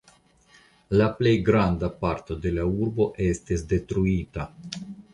La plej granda parto de la urbo estis detruita.